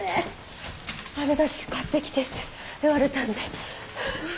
あるだけ買ってきてって言われたんで。